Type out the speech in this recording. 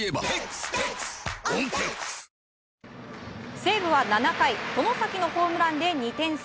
西武は７回外崎のホームランで２点差。